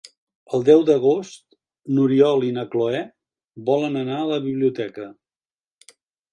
El deu d'agost n'Oriol i na Cloè volen anar a la biblioteca.